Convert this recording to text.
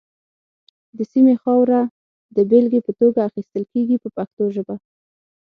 د سیمې خاوره د بېلګې په توګه اخیستل کېږي په پښتو ژبه.